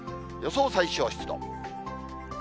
予想最小湿度。